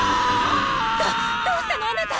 どどうしたの⁉あなた。